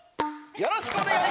よろしくお願い。